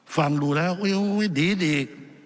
ฟังดูแล้วอุ๊ยดี